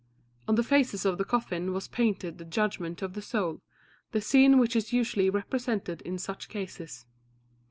On the faces of the coffin was painted the Judgment of the Soul, the scene which is usually represented in such cases.